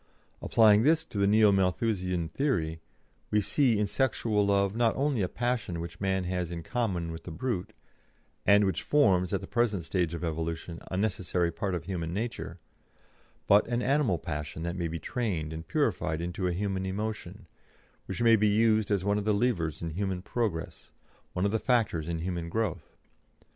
Applying this to the Neo Malthusian theory, we see in sexual love not only a passion which man has in common with the brute, and which forms, at the present stage of evolution, a necessary part of human nature, but an animal passion that may be trained and purified into a human emotion, which may be used as one of the levers in human progress, one of the factors in human growth.